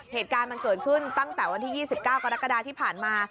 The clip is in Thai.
เหตุการณ์มันเกิดขึ้นตั้งแต่วันที่๒๙กรกฎาที่ผ่านมา